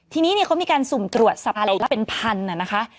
ทีนี้เนี่ยเขามีการสุ่มตรวจสรรพาหลักเป็นพันธุ์นะนะคะ